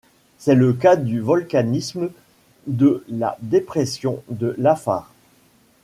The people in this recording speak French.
C'est le cas du volcanisme de la dépression de l'Afar.